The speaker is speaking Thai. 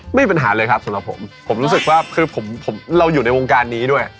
ไม่มีปัญหาเลยครับสำหรับผมผมรู้สึกว่าคือผมเราอยู่ในวงการนี้ด้วย